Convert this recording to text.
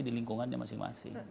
di lingkungannya masing masing